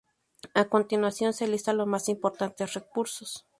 A continuación se listan los más importantes recursos.